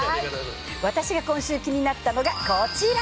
私が今週、気になったのがこちら。